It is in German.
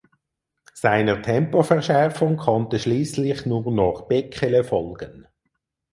Seiner Tempoverschärfung konnte schließlich nur noch Bekele folgen.